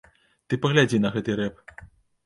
Ты паглядзі на гэты рэп!